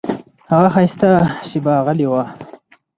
هغه ښایسته شېبه غلی و.